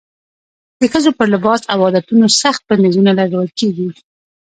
د ښځو پر لباس او عادتونو سخت بندیزونه لګول کېږي.